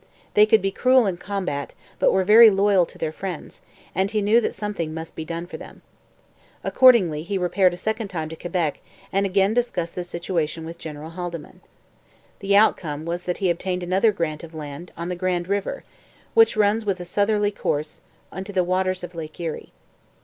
They could be cruel in combat, but were very loyal to their friends, and he knew that something must be done for them. Accordingly, he repaired a second time to Quebec and again discussed the situation with General Haldimand. The outcome was that he obtained another grant of land, on the Grand river, which runs with a southerly course into the waters of Lake Erie.